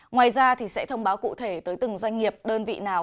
ngoài ra thì sẽ thông báo cụ thể tới từng doanh nghiệp đơn vị nào